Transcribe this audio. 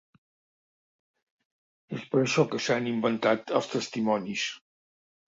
És per això que s'han inventat els testimonis.